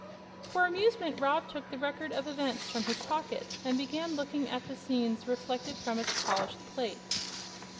For amusement Rob took the Record of Events from his pocket and began looking at the scenes reflected from its polished plate.